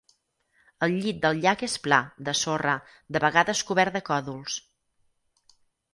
El llit del llac és pla, de sorra, de vegades cobert de còdols.